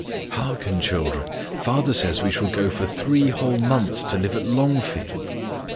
"Hearken, children! father says we shall go for three whole months to live at Longfield."